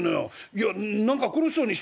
『いや何か苦しそうにしてたやん』。